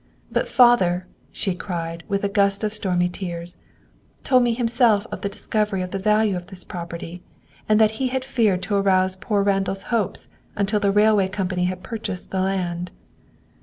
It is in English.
But father," she cried, with a gust of stormy tears, "told me himself of the discovery of the value of this property, and that he had feared to arouse poor Randall's hopes until the Railway Company had purchased the land."